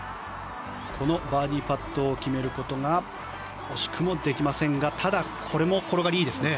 このバーディーパットを決めることが惜しくもできませんがただ、これも転がりいいですね。